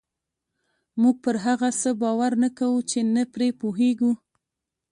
موږ پر هغه څه باور نه کوو چې نه پرې پوهېږو.